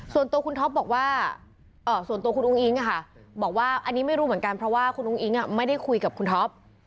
ส่วนตัวคุณท็อปบอกว่าส่วนตัวคุณอุ้งอิ๊งบอกว่าอันนี้ไม่รู้เหมือนกันเพราะว่าคุณอุ้งอิ๊งไม่ได้คุยกับคุณท็อป